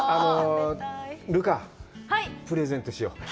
留伽、プレゼントしよう！